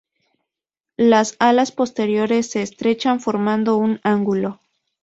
Las alas posteriores se estrechan formando un ángulo.